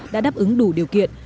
đã đáp ứng đủ điều kiện